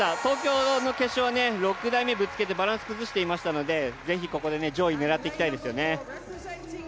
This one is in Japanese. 東京の決勝は６台目ぶつけて、バランス崩していましたのでぜひここで上位狙っていきたいですね。